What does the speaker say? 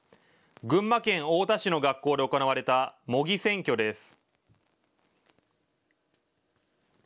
群馬県太田市の学校で行われた模擬選挙です。